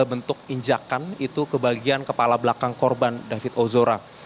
bentuk injakan itu ke bagian kepala belakang korban david ozora